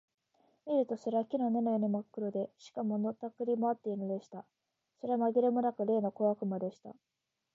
見るとそれは木の根のようにまっ黒で、しかも、のたくり廻っているのでした。それはまぎれもなく、例の小悪魔でした。